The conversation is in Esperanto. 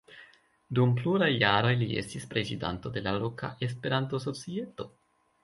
Dum pluraj jaroj li estis prezidanto de la loka Esperanto-societo.